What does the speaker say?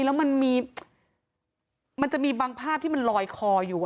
แล้วมันจะมีบางภาพที่มันลอยคออยู่